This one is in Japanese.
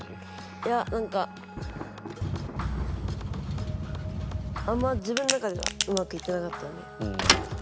いやなんかあんま自分の中ではうまくいってなかったので。